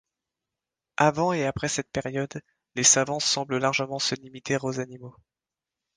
Avant et après cette période, les savants semblent largement se limiter aux animaux.